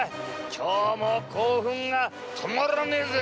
今日も興奮が止まらねえぜ！